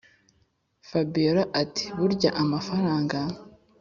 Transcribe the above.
fabiora ati”burya amafaranga